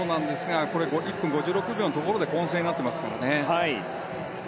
１分５６秒のところで混戦になっていますからね。